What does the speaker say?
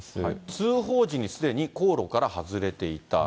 通報時に、すでに航路から外れていた。